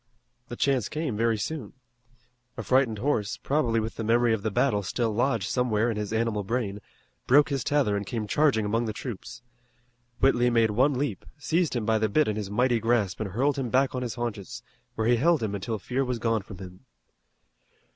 The chance came very soon. A frightened horse, probably with the memory of the battle still lodged somewhere in his animal brain, broke his tether and came charging among the troops. Whitley made one leap, seized him by the bit in his mighty grasp and hurled him back on his haunches, where he held him until fear was gone from him.